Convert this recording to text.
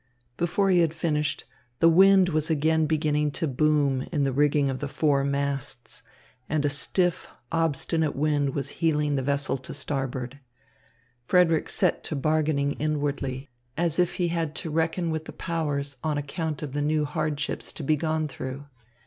Before he had finished, the wind was again beginning to boom in the rigging of the four masts, and a stiff, obstinate wind was heeling the vessel to starboard. Frederick set to bargaining inwardly, as if he had to reckon with the powers on account of the new hardships to be gone through.